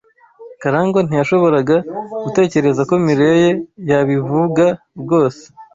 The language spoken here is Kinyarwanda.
Karangwa ntiyashoboraga gutekereza ko Mirelle yabivuga rwose.